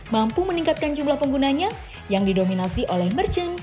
mampu meningkatkan jumlah penggunanya yang didominasi oleh merchant